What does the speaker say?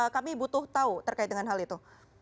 kami butuh tahu terkait dengan hal itu